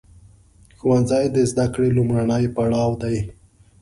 ښوونځی د زده کړې لومړنی پړاو دی.